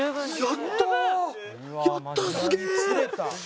やったすげえ！